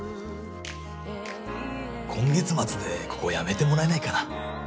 今月末でここ辞めてもらえないかな？